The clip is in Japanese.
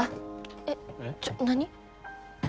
えっちょ何？